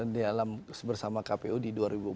dalam bersama kpu di dua ribu empat belas